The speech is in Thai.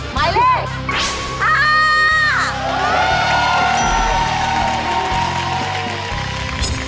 หมายเลข๕